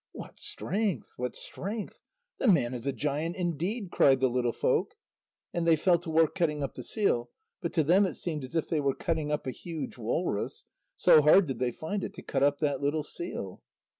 "What strength, what strength! The man is a giant indeed," cried the little folk. And they fell to work cutting up the seal, but to them it seemed as if they were cutting up a huge walrus, so hard did they find it to cut up that little seal.